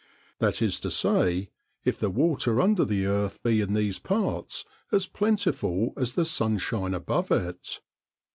That is to say, if the water under the earth be in these parts as plentiful as the sunshine above it.